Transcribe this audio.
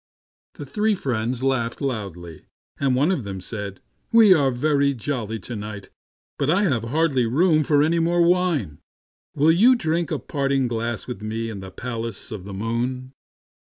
The three friends laughed loudly, and one of them said, " We are very jolly to night, but I have hardly room for any more wine. Will you drink a parting glass with me in the palace of the moon